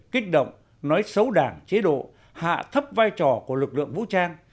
kích động nói xấu đảng chế độ hạ thấp vai trò của lực lượng vũ trang